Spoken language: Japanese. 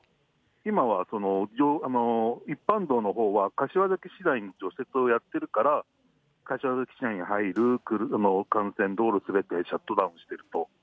今は一般道のほうは柏崎市内は除雪をやってるから、柏崎市内に入る車を幹線道路、すべてをシャットダウンしていると。